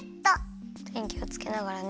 てにきをつけながらね。